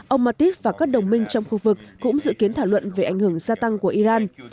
ông mattis và các đồng minh trong khu vực cũng dự kiến thảo luận về ảnh hưởng gia tăng của iran